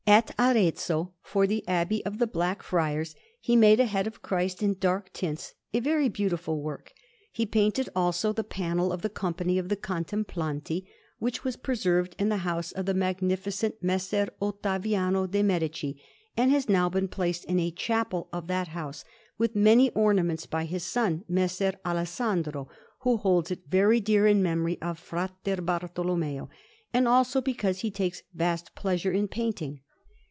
At Arezzo, for the Abbey of the Black Friars, he made a head of Christ in dark tints a very beautiful work. He painted, also, the panel of the Company of the Contemplanti, which was preserved in the house of the Magnificent Messer Ottaviano de' Medici, and has now been placed in a chapel of that house, with many ornaments, by his son Messer Alessandro, who holds it very dear in memory of Fra Bartolommeo, and also because he takes vast pleasure in painting.